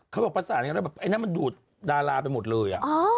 เขาบอกประสานกันแล้วแบบไอ้นั่นมันดูดดาราไปหมดเลย